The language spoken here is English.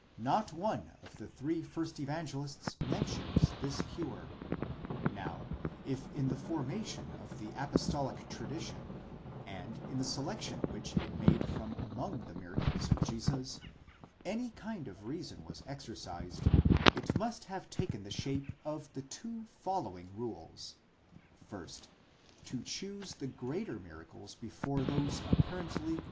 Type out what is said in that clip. Not one of three first Evangelists mentions this cure. Now, if in the formation of the apostolic tradition, and in the selection which it made from among the miracles of Jesus, any kind of reason was exercised, it must have taken the shape of the two following rules: first, to choose the greater miracles before those apparently.